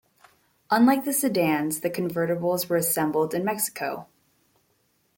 Unlike the sedans, the convertibles were assembled in Mexico.